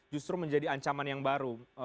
justru menjadi ancaman yang baru